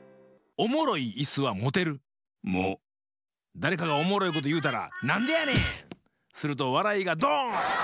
だれかがおもろいこというたら「なんでやねん！」。するとわらいがドーン！